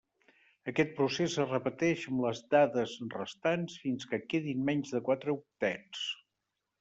Aquest procés es repeteix amb les dades restants fins que quedin menys de quatre octets.